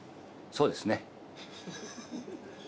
そうですね。